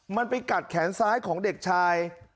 มันไปกัดแขนซ้ายของเด็กชาย